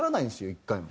１回も。